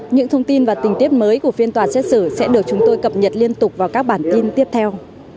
những thông tin và tình tiết mới của phiên tòa xét xử sẽ được chúng tôi cập nhật liên tục vào các bản tin tiếp theo